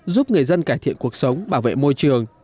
giúp người dân cải thiện cuộc sống bảo vệ môi trường